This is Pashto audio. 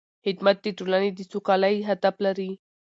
خدمت د ټولنې د سوکالۍ هدف لري.